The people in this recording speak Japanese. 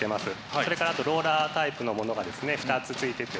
それからあとローラータイプのものが２つついてて。